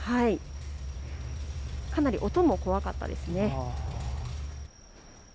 かなり音も怖かったです。